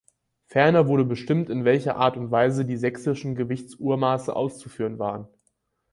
Ferner wurde bestimmt in welcher Art und Weise die sächsischen Gewichts-Urmaße auszuführen waren.